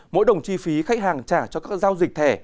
mỗi đồng chi phí khách hàng trả cho các giao dịch thẻ